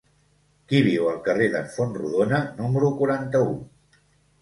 Qui viu al carrer d'en Fontrodona número quaranta-u?